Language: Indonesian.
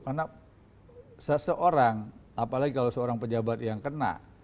karena seseorang apalagi kalau seorang pejabat yang kena